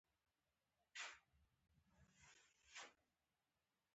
څنګه کولی شم یو ویبسایټ جوړ کړم